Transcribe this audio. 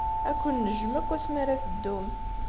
Ad ken-nejjem akk asmi ara teddum.